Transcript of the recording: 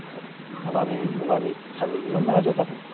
甘み、うまみ、酸味いろんな味を出すんです。